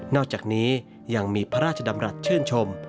อกจากนี้ยังมีพระราชดำรัฐชื่นชม